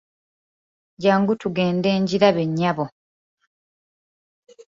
Jjangu tugende ngirabe nnyabo.